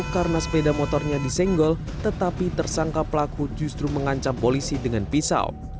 karena sepeda motornya disenggol tetapi tersangka pelaku justru mengancam polisi dengan pisau